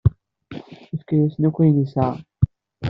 Yefka-yasen akk ayen yesɛa.